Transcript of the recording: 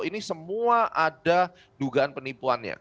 ini semua ada dugaan penipuannya